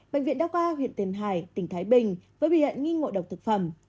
bệnh viện đa qua huyện tiền hải tỉnh thái bình với biểu hiện nghi ngội độc thực phẩm